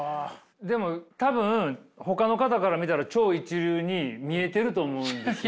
でも多分ほかの方から見たら超一流に見えてると思うんですよ。